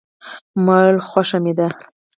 ما وویل، خوښه مې ده.